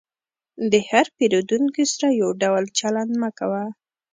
د هر پیرودونکي سره یو ډول چلند مه کوه.